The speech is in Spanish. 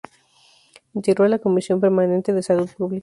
Integró la Comisión Permanente de Salud Pública.